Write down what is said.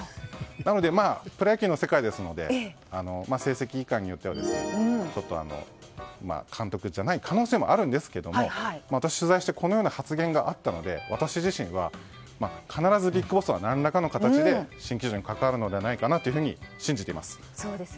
なので、プロ野球の世界ですので成績いかんによっては監督じゃない可能性もあるんですけども取材をしてこのような発言があったので私自身は必ずＢＩＧＢＯＳＳは何らかの形で新球場に関わるのではないかと信じています。